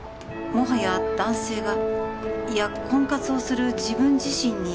「もはや男性がいや婚活をする自分自身に」